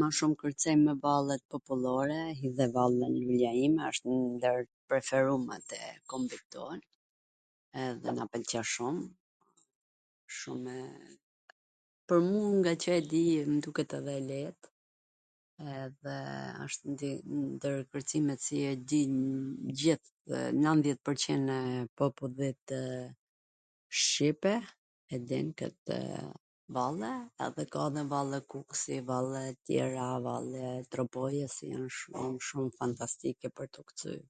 Ma shum kwrcejmw vallet popullore, dhe vallja Vendlindja ime asht ndwr t preferumet e kombit ton, edhe na pwlqe shum, shumw, pwr mu, ngaqw e di, mw duket edhe e leet, edhe wshtw ndwr kwrcimet qw i di, nanddhjet pwr qind e popullit, shqipe e din kwtw valle, po ka dhe valle kuksi, valle tjera, vallja e Tropojws shum shum fantastike pwr tu kcyer.